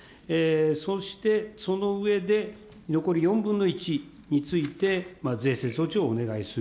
そして、その上で、残り４分の１について、税制措置をお願いする。